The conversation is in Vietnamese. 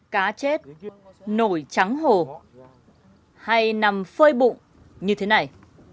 cá chết nổi trắng hồ hay nằm phơi bụng như thế này